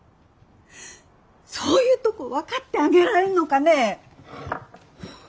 そういうとこ分かってあげられんのかねえ。